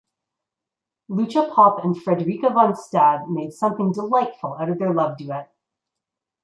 Lucia Popp and Frederica von Stade made something "delightful" out of their love duet.